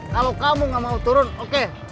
kalau kamu gak mau turun oke